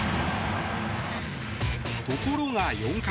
ところが、４回。